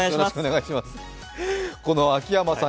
この秋山さん